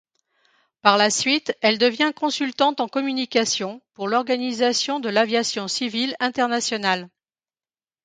Par la suite, elle devient consultante en communication pour l’Organisation de l’aviation civile internationale.